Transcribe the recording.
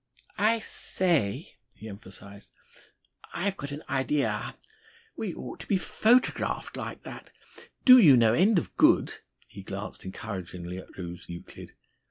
"I say," he emphasised, "I've got an ideah. We ought to be photographed like that. Do you no end of good." He glanced encouragingly at Rose Euclid.